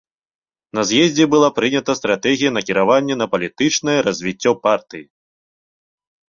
На з'ездзе была прынята стратэгія накіраваная на палітычнае развіццё партыі.